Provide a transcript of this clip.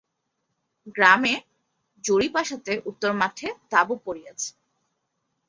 গ্রামের জরিপ আসাতে উত্তর মাঠে তাঁবু পড়িয়াছে।